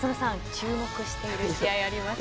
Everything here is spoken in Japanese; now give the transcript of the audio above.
注目している試合ありますか？